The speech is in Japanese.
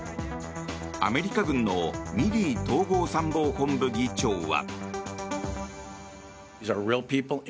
アメリカ軍のミリー統合参謀本部議長は。